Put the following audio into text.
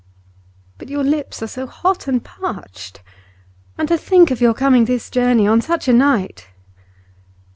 'But your lips are so hot and parched! And to think of your coming this journey, on such a night!